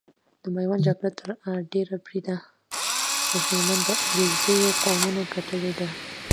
د ميوند جګړه تر ډېره بريده د هلمند د عليزو قوم ګټلې ده۔